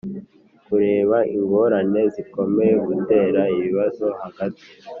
- kureba ingorane zikomeza gutera ibibazo hagati